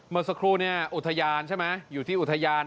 เมื่อสักครู่เนี่ยอุทยานใช่ไหมอยู่ที่อุทยาน